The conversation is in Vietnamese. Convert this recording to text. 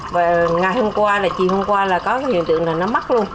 và ngày hôm qua là chiều hôm qua là có cái hiện tượng là nó mắc luôn